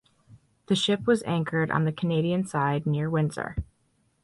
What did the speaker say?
The ship was anchored on the Canadian side near Windsor.